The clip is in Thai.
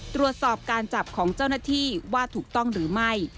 ตรวจสอบการจับของเจ้าหน้าที่ว่าถูกต้องหรือไม่